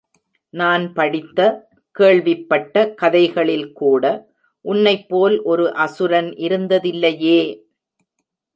நான் படித்த, கேள்விப்பட்ட கதைகளில் கூட உன்னைப்போல் ஒரு அசுரன் இருந்ததில்லையே!